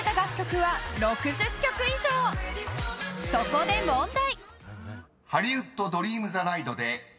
［そこで問題］